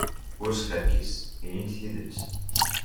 Ur skerkis. Ini-d tidet.